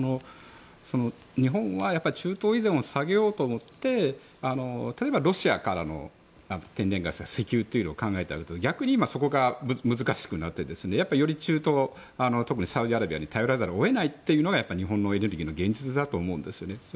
日本は中東依存を下げようと思って例えばロシアからの天然ガス石油を考えましたが逆にそれが難しくなってより、中東特にサウジアラビアに頼らざるを得ないのが日本のエネルギーの現実だと思うんですね。